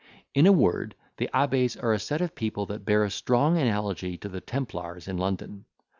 In a word, the abbes are a set of people that bear a strong analogy to the templars in London.